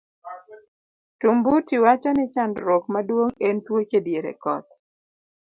Tumbuti wacho ni chandruok maduong' en tuoche diere koth.